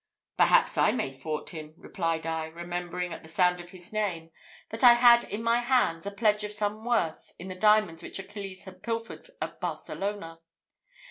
"Perhaps I may thwart him," replied I, remembering, at the sound of his name, that I had in my hands a pledge of some worth in the diamonds which Achilles had pilfered at Barcelona.